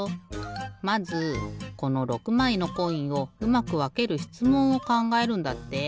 まずこの６まいのコインをうまくわけるしつもんをかんがえるんだって。